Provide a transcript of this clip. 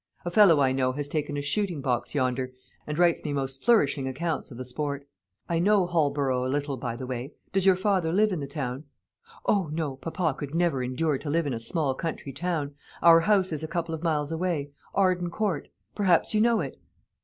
A fellow I know has taken a shooting box yonder, and writes me most flourishing accounts of the sport. I know Holborough a little, by the way. Does your father live in the town?" "O, no; papa could never endure to live in a small country town. Our house is a couple of miles away Arden Court; perhaps you know it?"